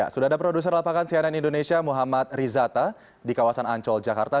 sudah ada produser lapangan cnn indonesia muhammad rizata di kawasan ancol jakarta